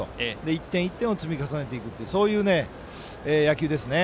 １点１点を積み重ねていくというそういう野球ですね。